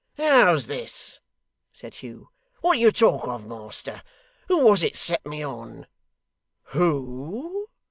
'How's this?' said Hugh. 'What do you talk of master? Who was it set me on?' 'Who?